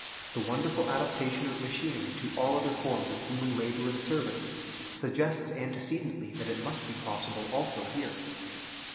The wonderful adaptation of machinery to all other forms of human labor and service suggests antecedently that it must be possible also here.